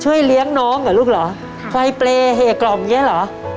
ช่วยเลี้ยงน้องอะรุกเหรอหวัยเปลี้ยเฮะกล่อมเงี้ยเหรอ